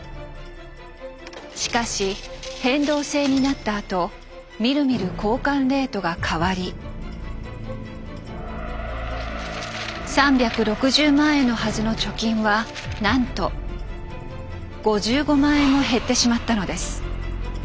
しかし変動制になったあとみるみる交換レートが変わり３６０万円のはずの貯金はなんと５５万円も減ってしまったのです。